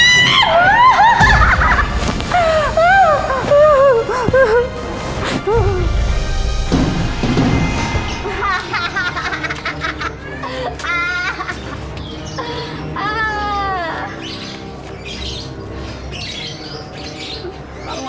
kalung aku mana ya